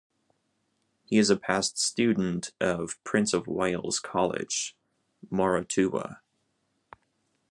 He is a past student of Prince of Wales College, Moratuwa.